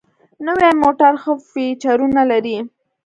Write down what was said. نوي موټر ښه فیچرونه لري.